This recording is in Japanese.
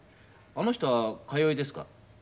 あの人は通いですか？